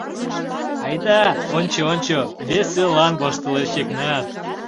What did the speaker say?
— Айда, ончо, ончо... — веселан воштылеш Йыгнат.